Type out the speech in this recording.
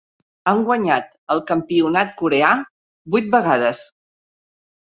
Han guanyat el campionat coreà vuit vegades.